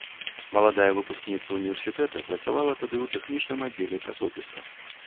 Маладая выпускніца універсітэта працавала тады ў тэхнічным аддзеле часопіса.